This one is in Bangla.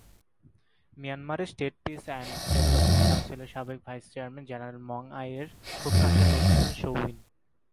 মিয়ানমারের state peace and development council এর সাবেক vice chairman general Maung Aye এর খুব কাছের লোক ছিলেন শো উইন।